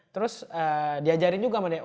terus diajarin juga sama dia